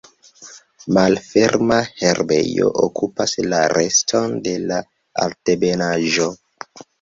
Malferma herbejo okupas la reston de la altebenaĵo.